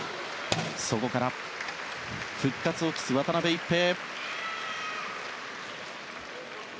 そこから復活を期す渡辺一平。